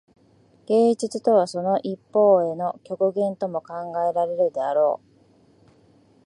芸術とはその一方向への極限とも考えられるであろう。